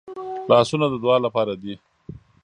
لاسونه د دعا لپاره دي